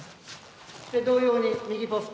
同様に右ポスト